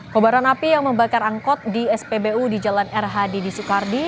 kebaran api yang membakar angkut di spbu di jalan rhd di soekardi